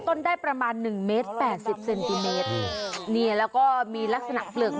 แต่ไม่เจอ